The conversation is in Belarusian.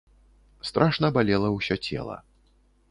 Страшна балела ўсё цела.